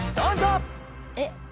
えっ